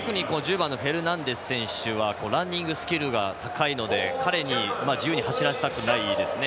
特に１０番のフェルナンデス選手はランニングスキルが高いので彼に自由に走らせたくないですね。